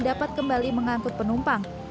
dapat kembali mengangkut penumpang